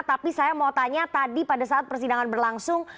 tapi saya mau tanya tadi pada saat persidangan berlangsung